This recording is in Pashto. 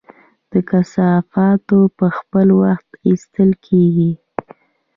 د کثافاتو په خپل وخت ایستل کیږي؟